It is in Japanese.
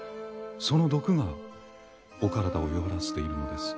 その毒がお体を弱らせているのです。